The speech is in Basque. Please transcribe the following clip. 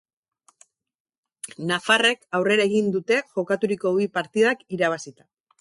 Nafarrek aurrera egin dute jokaturiko bi partidak irabazita.